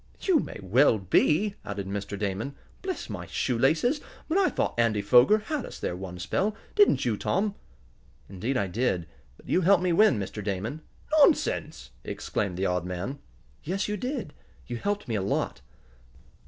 "You may well be," added Mr. Damon. "Bless my shoelaces, but I thought Andy Foger had us there one spell; didn't you, Tom?" "Indeed I did. But you helped me win, Mr. Damon." "Nonsense!" exclaimed the odd man. "Yes, you did. You helped me a lot."